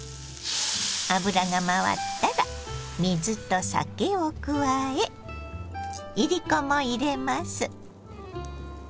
油が回ったら水と酒を加えいりこも入れます。